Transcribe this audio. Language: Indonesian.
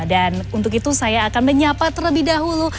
dan untuk itu saya akan menyapa terlebih dahulu